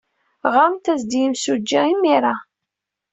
Ɣremt-as-d i yimsujji imir-a.